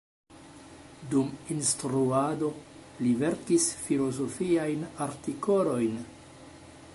Dum instruado li verkis filozofiajn artikolojn.